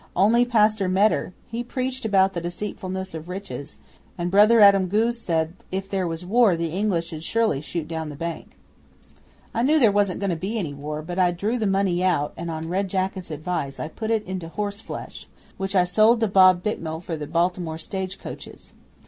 Only Pastor Meder he preached about the deceitfulness of riches, and Brother Adam Goos said if there was war the English 'ud surely shoot down the Bank. I knew there wasn't going to be any war, but I drew the money out and on Red Jacket's advice I put it into horse flesh, which I sold to Bob Bicknell for the Baltimore stage coaches.